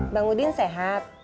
bang udin sehat